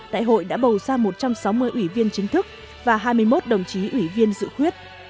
đại hội đã bầu ra một trăm sáu mươi ủy viên chính thức và hai mươi một đồng chí ủy viên dự khuyết